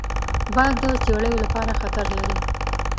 باد د څړیو لپاره خطر لري